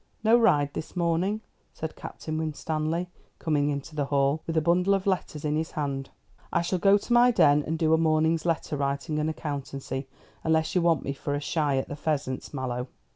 "No ride this morning," said Captain Winstanley, coming into the hall, with a bundle of letters in his hand. "I shall go to my den, and do a morning's letter writing and accountancy unless you want me for a shy at the pheasants, Mallow?"